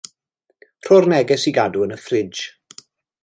Rho'r neges i gadw yn y ffridj.